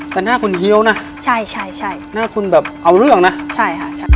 แต่หน้าคุณเฮียวนะหน้าคุณแบบเอาเรื่องนะใช่